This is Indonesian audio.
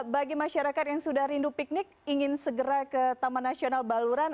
bagi masyarakat yang sudah rindu piknik ingin segera ke taman nasional baluran